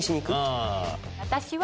私は。